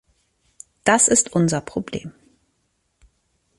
Das ist unser Problem.